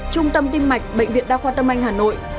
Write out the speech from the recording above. trung tâm tim mạch bệnh viện đa khoa tâm anh hà nội